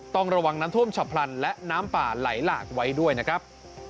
ต้องระวังน้ำท่วมฉับพลันและน้ำป่าไหลหลากไว้ด้วยนะครับ